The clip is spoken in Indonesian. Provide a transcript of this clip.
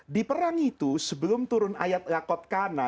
di perang itu sebelum turun ayat lakot kana